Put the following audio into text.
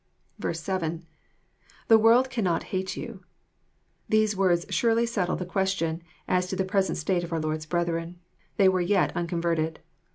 7. — [The world cannot hate you,} These words surely settle the question as to the present state of our Lord's brethren. They were yet unconverted.